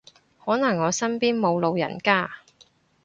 可能我身邊冇老人家